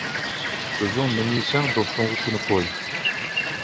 ئۆزۈڭ نېمە يېسەڭ، دوستۇڭغا شۇنى قوي.